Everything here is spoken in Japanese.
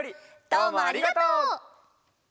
どうもありがとう！